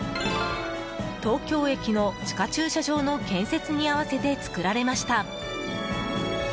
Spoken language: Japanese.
東京駅の地下駐車場の建設に合わせて作られました。